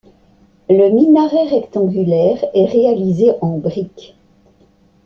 Le minaret rectangulaire est réalisé en briques.